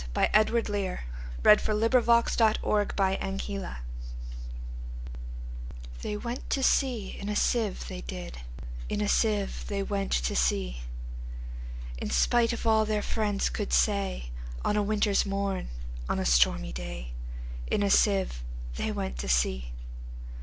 1895. Edward Lear 1812–88 The Jumblies Lear Edw THEY went to sea in a sieve, they did; In a sieve they went to sea; In spite of all their friends could say, On a winter's morn, on a stormy day, In a sieve they went to sea.